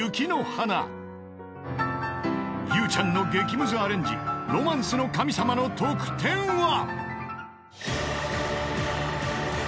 ［ゆうちゃんの激むずアレンジ『ロマンスの神様』の得点は］